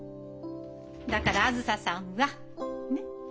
だからあづささんはねっ？